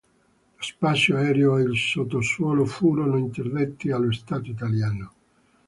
Lo spazio aereo e il sottosuolo furono interdetti allo Stato italiano.